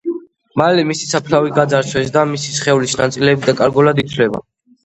მალე მისი საფლავი გაძარცვეს და მისი სხეულის ნაწილები დაკარგულად ითვლება.